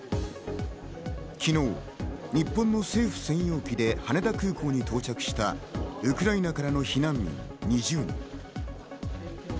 昨日、日本の政府専用機で羽田空港に到着したウクライナからの避難民２０人。